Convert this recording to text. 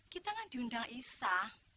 kita kan diundang isa